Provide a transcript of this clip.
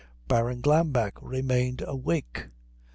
Baron Glambeck remained awake.